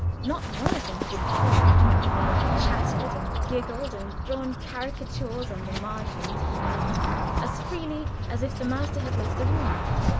Not one of them had been reproved; they had chattered and giggled and drawn caricatures on the margin of the paper, as freely as if the master had left the room.